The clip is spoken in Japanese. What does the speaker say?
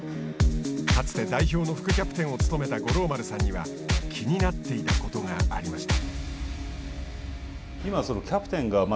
かつて、代表の副キャプテンを務めた五郎丸さんには気になっていたことがありました。